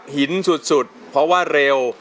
หินสุดเพราะว่าเร็ว